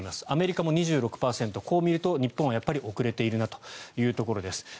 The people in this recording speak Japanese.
アメリカも２６％こう見ると日本はやっぱり遅れているなというところです。